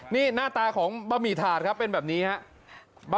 นี่หน้าตาของบะหมี่ถาดครับเป็นแบบนี้ครับ